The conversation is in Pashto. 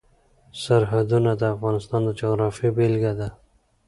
سرحدونه د افغانستان د جغرافیې بېلګه ده.